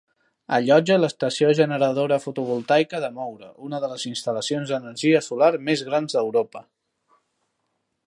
Allotja l'estació generadora fotovoltaica de Moura, una de les instal·lacions d'energia solar més grans d'Europa.